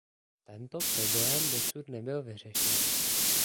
Tento problém dosud nebyl vyřešen.